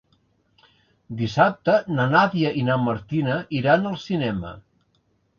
Dissabte na Nàdia i na Martina iran al cinema.